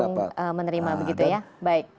yang menerima begitu ya baik